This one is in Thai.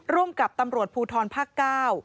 ร่วมกับตำรวจภูทรภาคเก้า